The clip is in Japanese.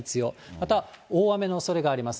また大雨のおそれがあります。